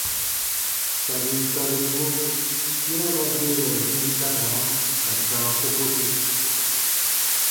Sabi tɔbirimɔ, yera ba deema bii takara ka sãa kokosu.